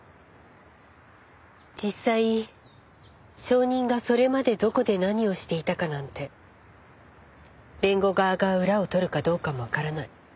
実際証人がそれまでどこで何をしていたかなんて弁護側が裏を取るかどうかもわからない。